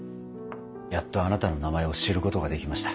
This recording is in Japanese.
やっとあなたの名前を知ることができました。